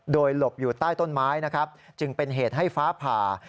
โดยหลบอยู่ใต้ต้นไม้นะครับจึงเป็นเหตุให้ฟ้าผ่า